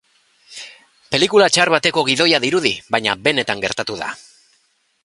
Pelikula txar bateko gidoia dirudin, baina benetan gertatu da.